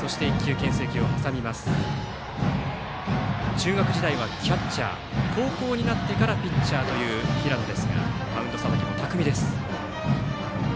中学時代はキャッチャー高校になってからピッチャーという平野ですがマウンドさばきも巧みです。